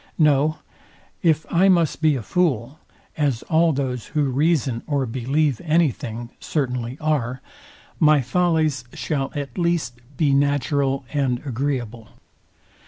No: If I must be a fool, as all those who reason or believe any thing certainly are, my follies shall at least be natural and agreeable.